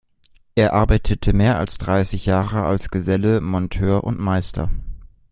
Er arbeitete mehr als dreißig Jahre als Geselle, Monteur und Meister.